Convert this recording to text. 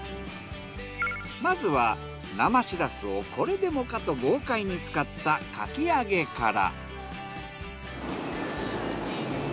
まずは生しらすをこれでもかと豪快に使ったかき揚げから。